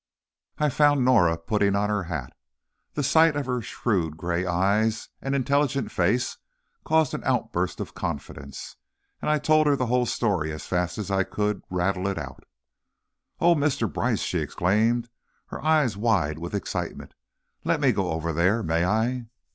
I found Norah putting on her hat. The sight of her shrewd gray eyes and intelligent face caused an outburst of confidence, and I told her the whole story as fast as I could rattle it out. "Oh, Mr. Brice," she exclaimed, her eyes wide with excitement, "let me go over there! May I?"